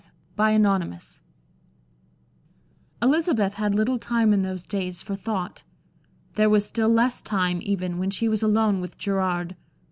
Chapter XXVIII Elizabeth had little time in those days for thought. There was still less time, even, when she was alone with Gerard.